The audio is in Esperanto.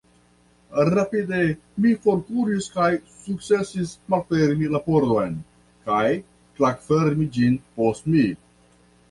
Rapide mi forkuris kaj sukcesis malfermi la pordon kaj klakfermi ĝin post mi.